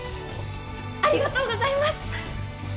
ありがとうございます！